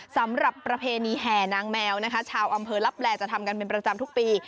ประเพณีแห่นางแมวนะคะชาวอำเภอลับแลจะทำกันเป็นประจำทุกปี